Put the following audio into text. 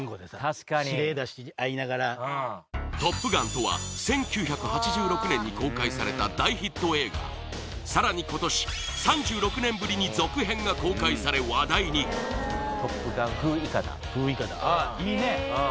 確かに「トップガン」とは１９８６年に公開された大ヒット映画さらに今年３６年ぶりに続編が公開され話題に風イカダ